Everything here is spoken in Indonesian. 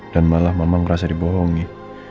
dan malah mama ngerasa dibohongi